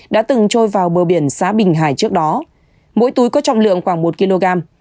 đã từng trôi vào bờ biển xã bình hải trước đó mỗi túi có trọng lượng khoảng một kg